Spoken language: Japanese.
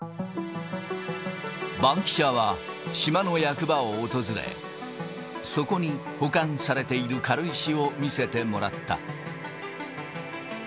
バンキシャは島の役場を訪れ、そこに保管されている軽石を見せてもらった。